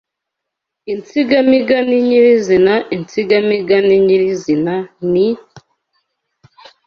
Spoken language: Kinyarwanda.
Insigamigani nyiri zina Insigamigani nyirizina ni